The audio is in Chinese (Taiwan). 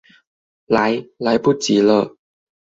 來、來不及了